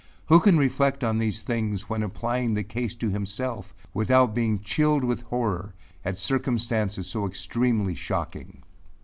Who can reflect on these things when applying the case to himself, without being chilled with horror, at circumstances so extremely shocking?